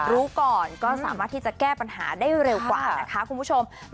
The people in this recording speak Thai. รู้ก่อนก็สามารถที่จะแก้ปัญหาได้เร็วกว่านะคะคุณผู้ชม